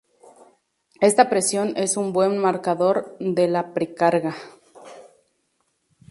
Esta presión es un buen marcador de la precarga.